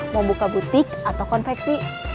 mau buka butik atau konveksi